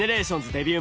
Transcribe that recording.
デビュー